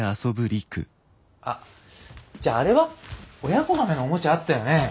あじゃああれは？親子ガメのおもちゃあったよね。